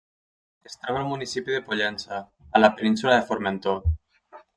Es troba al municipi de Pollença, a la península de Formentor.